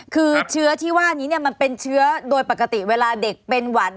คือเชื้อที่ว่านี้มันเป็นเชื้อโดยปกติเวลาเด็กเป็นหวัน